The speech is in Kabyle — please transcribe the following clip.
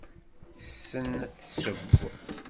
Tessen ad tesseww.